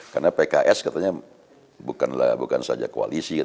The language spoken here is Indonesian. karena pks katanya bukanlah bukan saja koalisi